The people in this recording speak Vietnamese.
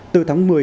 từ tháng một mươi